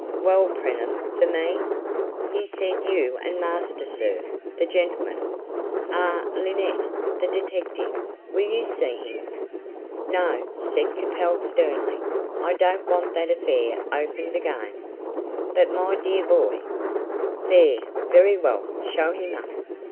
"Well, Preenham, for me?" "He said you and master, sir the gentleman." "Ah! Linnett. The detective. Will you see him?" "No," said Capel, sternly. "I don't want that affair opened again." "But my dear boy " "There; very well. Show him up."